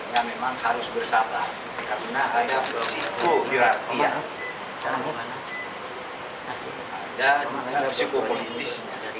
yang memang harus bersabar karena ada psikohirarki dan psikopolitis